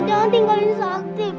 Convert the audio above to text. jangan tinggalin zakti pak